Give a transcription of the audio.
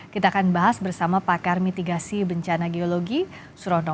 kita akan bahas bersama pakar mitigasi bencana geologi surono